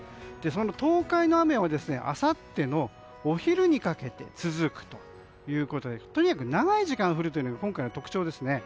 その東海の雨は、あさってのお昼にかけて続くということでとにかく長い時間降るのが今回の特徴ですね。